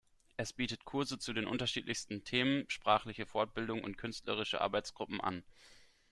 Es bietet Kurse zu den unterschiedlichsten Themen, sprachliche Fortbildung und künstlerische Arbeitsgruppen an.